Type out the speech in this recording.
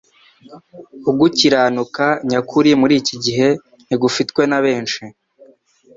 Ugukiranuka nyakuri muri iki gihe ntigufitwe na benshi ;